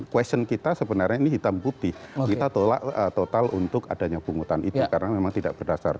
question kita sebenarnya ini hitam putih kita tolak total untuk adanya pungutan itu karena memang tidak berdasar